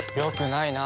よくないな。